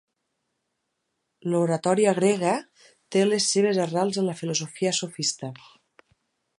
L'oratòria grega té les seves arrels en la filosofia sofista.